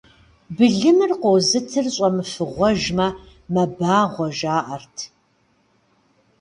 Былым къозытыр щӏэмыфыгъуэжмэ, мэбагъуэ жаӏэрт.